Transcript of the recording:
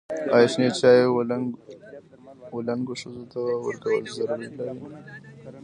ایا شنې چايي و لنګو ښځو ته ورکول ضرر لري؟